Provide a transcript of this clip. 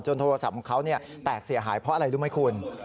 โทรศัพท์ของเขาแตกเสียหายเพราะอะไรรู้ไหมคุณ